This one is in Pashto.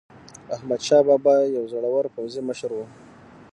احمدشاه بابا یو زړور پوځي مشر و.